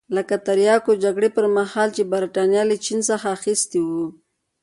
لکه د تریاکو جګړې پرمهال چې برېټانیا له چین څخه اخیستي وو.